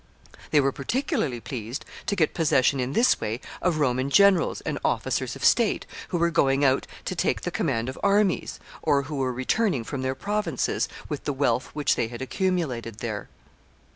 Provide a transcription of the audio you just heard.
They were particularly pleased to get possession in this way of Roman generals and officers of state, who were going out to take the command of armies, or who were returning from their provinces with the wealth which they had accumulated there.